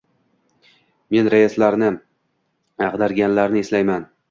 men raislarni ag'darganlarni eslayman